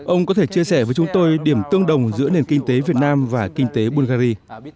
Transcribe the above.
ông có thể chia sẻ với chúng tôi điểm tương đồng giữa nền kinh tế việt nam và kinh tế bungary